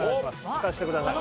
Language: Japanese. いかせてください。